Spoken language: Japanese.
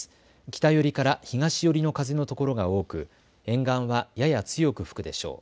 北寄りから東寄りの風のところが多く沿岸はやや強く吹くでしょう。